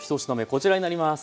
こちらになります。